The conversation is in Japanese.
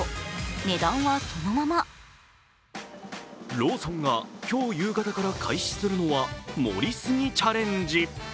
ローソンが今日夕方から開始するのは盛りすぎチャレンジ。